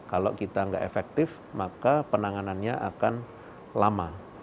kalau kita nggak efektif maka penanganannya akan lama